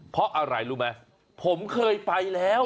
เพราะอะไรรู้ไหมผมเคยไปแล้ว